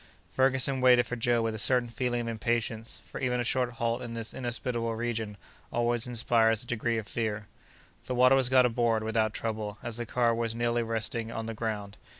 Ferguson waited for Joe with a certain feeling of impatience, for even a short halt in this inhospitable region always inspires a degree of fear. The water was got aboard without trouble, as the car was nearly resting on the ground.